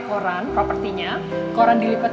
koran propertinya koran dilipat